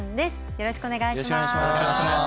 よろしくお願いします。